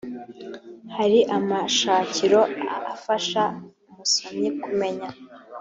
hari amashakiro afasha umusomyi kumenya